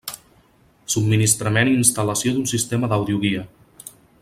Subministrament i instal·lació d'un sistema d'àudio guia.